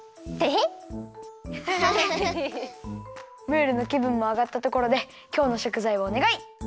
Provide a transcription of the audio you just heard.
ムールのきぶんもあがったところできょうのしょくざいをおねがい！